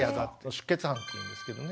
出血斑っていうんですけどね。